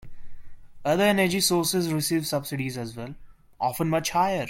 Other energy sources receive subsidies as well, often much higher.